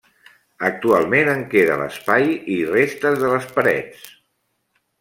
Actualment en queda l'espai i restes de les parets.